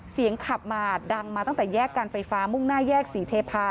ขับมาดังมาตั้งแต่แยกการไฟฟ้ามุ่งหน้าแยกศรีเทพา